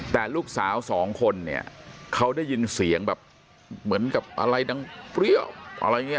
แต่ลูกสาวสองคนเนี่ยเขาได้ยินเสียงแบบเหมือนกับอะไรดังเปรี้ยวอะไรอย่างนี้